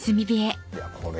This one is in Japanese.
いやこれ。